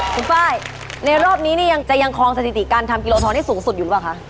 คุณไฟล์ในรอบนี้นี่ยังจะยังคลองสถิติการทำกิโลทองได้สูงสุดอยู่หรือเปล่าคะ